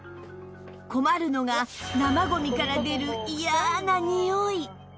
困るのが生ゴミから出る嫌なにおい